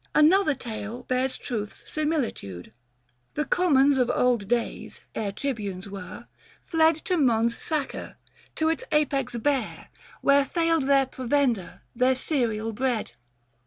710 Another tale bears truth's similitude : The Commons of old days, ere Tribunes were, Fled to Mons Sacer, to its apex bare ; Where failed their provender, their cereal bread.